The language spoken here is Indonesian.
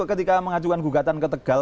ketika mengajukan gugatan ke tegal